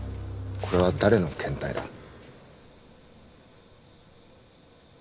これは誰の検体だ？